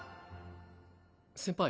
先輩